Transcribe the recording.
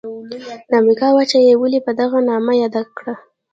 د امریکا وچه یې ولي په دغه نامه یاده کړه؟